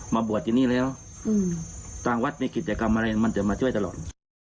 มาบวชที่นี่แล้วทางวัดในกิจกรรมอะไรมันจะมาช่วยตลอด